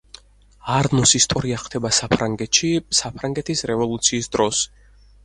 არნოს ისტორია ხდება საფრანგეთში, საფრანგეთის რევოლუციის დროს.